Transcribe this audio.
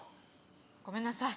ごめんなさい。